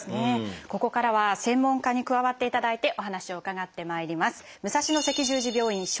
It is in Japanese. ここからは専門家に加わっていただいてお話を伺ってまいります。